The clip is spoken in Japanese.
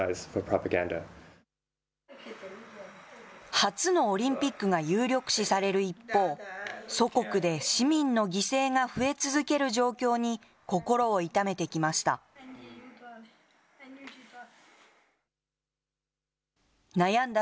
初のオリンピックが有力視される一方、祖国で市民の犠牲が増え続ける状況に心を痛めてきました。